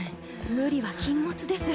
無理は禁物です。